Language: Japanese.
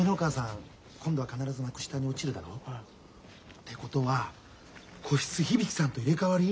ってことは個室響さんと入れ代わり？